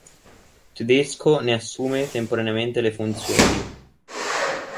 Tedesco ne assume temporaneamente le funzioni.